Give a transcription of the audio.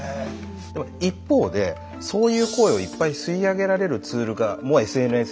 一方でそういう声をいっぱい吸い上げられるツールもＳＮＳであったと。